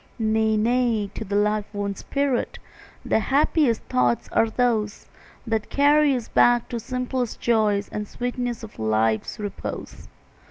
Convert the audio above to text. Nay, nay, to the life worn spirit The happiest thoughts are those That carry us back to the simple joys And the sweetness of life's repose.